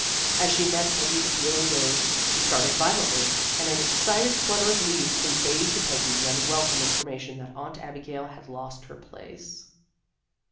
As she met Peggy's appealing gaze, she started violently, and an excited flutter of leaves conveyed to Peggy the unwelcome information that Aunt Abigail had lost her place.